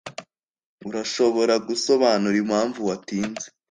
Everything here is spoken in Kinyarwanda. Urashobora gusobanura impamvu watinze?